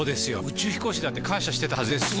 宇宙飛行士だって感謝してたはずです！